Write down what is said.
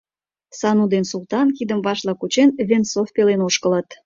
Сану ден Султан, кидым вашла кучен, Венцов пелен ошкылыт.